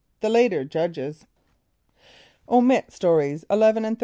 The Later judges. (Omit Stories 11 and 13.